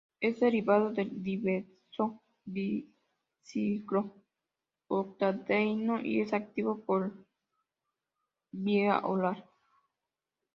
Es derivado del dibenzo-biciclo-octadieno, y es activo por vía oral.